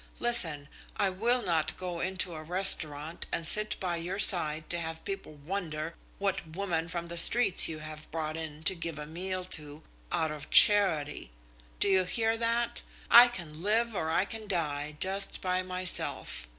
Listen. I will not go into a restaurant and sit by your side to have people wonder what woman from the streets you have brought in to give a meal to out of charity. Do you hear that? I can live or I can die, just by myself.